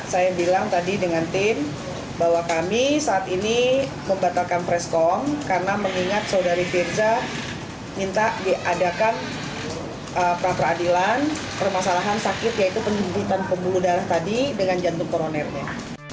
saya bilang tadi dengan tim bahwa kami saat ini membatalkan preskom karena mengingat saudari firza minta diadakan pra peradilan permasalahan sakit yaitu penjemputan pembuluh darah tadi dengan jantung koronernya